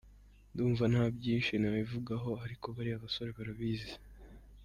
Ndumva nta byinshi nabivugaho ariko bariya basore barabizi.